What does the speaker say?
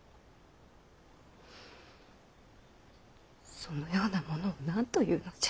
そのような者を何というのじゃ。